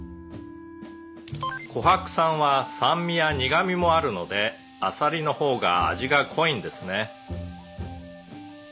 「コハク酸は酸味や苦みもあるのでアサリの方が味が濃いんですね」